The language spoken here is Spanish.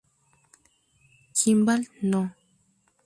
Kimball No.